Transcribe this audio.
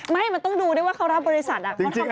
ไม่มันต้องดูด้วยว่าเขารับบริษัทเขาทำอะไร